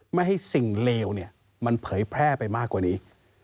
ไม่ให้สิ่งเลวมันเผยแพร่ไปมากกว่านี้